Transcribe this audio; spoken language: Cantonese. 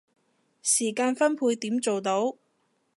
時間分配點做到